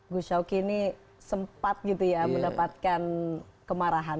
gus syawki ini sempat gitu ya mendapatkan kemarahan